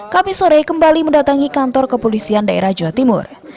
kami sore kembali mendatangi kantor kepolisian daerah jawa timur